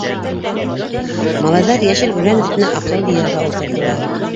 Малайҙар йәшел үлән өҫтөнә аҡыл йыйырға ултырҙылар.